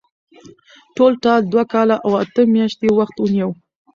ټولټال دوه کاله او اته میاشتې وخت ونیو.